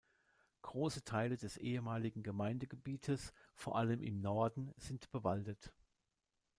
Große Teile des ehemaligen Gemeindegebietes, vor allem im Norden, sind bewaldet.